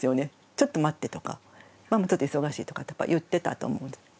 「ちょっと待って」とか「ママちょっと忙しい」とか言ってたと思う。